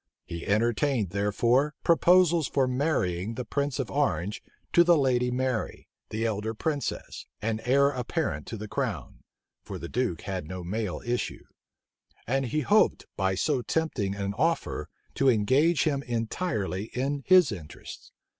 He entertained, therefore, proposals for marrying the prince of Orange to the lady Mary, the elder princess, and heir apparent to the crown, (for the duke had no male issue;) and he hoped, by so tempting an offer, to engage him entirely in his interests.